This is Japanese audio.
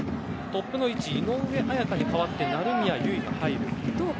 トップの位置井上綾香に代わって成宮唯が入る。